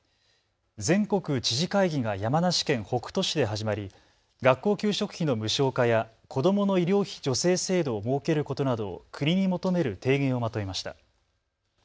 全国知事会議が山梨県北杜市で始まり、学校給食費の無償化や子どもの医療費助成制度を設けることなどを国に求める提言をまとめました。